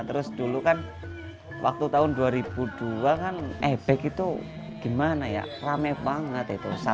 terus dulu kan waktu tahun dua ribu dua kan ebek itu gimana ya rame banget itu